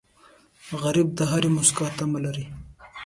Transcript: غریب د هرې موسکا تمه لري